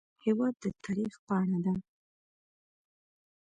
هېواد د تاریخ پاڼه ده.